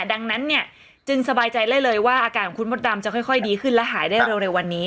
ดังนั้นเนี่ยจึงสบายใจได้เลยว่าอาการของคุณมดดำจะค่อยดีขึ้นและหายได้เร็ววันนี้